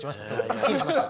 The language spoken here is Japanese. すっきりしました。